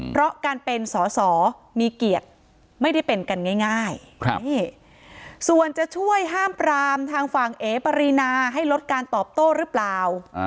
เพราะการเป็นสอสอมีเกียรติไม่ได้เป็นกันง่ายส่วนจะช่วยห้ามปรามทางฝั่งเอปรินาให้ลดการตอบโต้หรือเปล่า